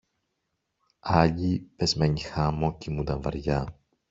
Άλλοι, πεσμένοι χάμω, κοιμούνταν βαριά